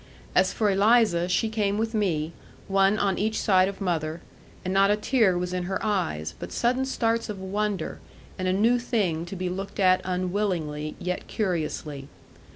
As for Eliza, she came with me, one on each side of mother, and not a tear was in her eyes, but sudden starts of wonder, and a new thing to be looked at unwillingly, yet curiously.